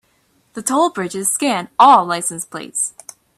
The toll bridges scan all license plates.